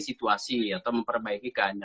situasi atau memperbaiki keadaan gitu ya